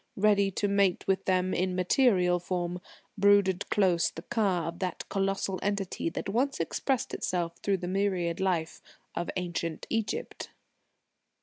Ready to mate with them in material form, brooded close the Ka of that colossal Entity that once expressed itself through the myriad life of ancient Egypt.